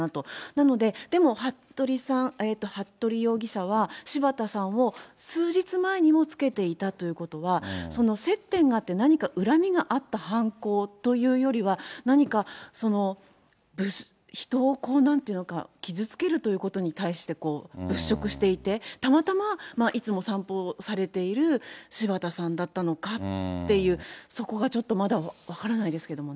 なので、でも服部容疑者は、柴田さんを数日前にもつけていたということは、接点があって、何か恨みがあった犯行というよりは、何か人をこう、なんていうのか、傷つけるということに対して、物色していて、たまたまいつも散歩されている柴田さんだったのかっていう、そこがちょっとまだ分からないですけどもね。